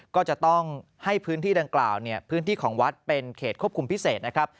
ก็จะต้องให้พื้นที่ดังกล่าวเนี่ยพื้นที่ของวัดเป็นเขตควบคุมพิเศษนะครับ